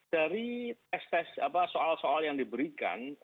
dari tes tes soal soal yang diberikan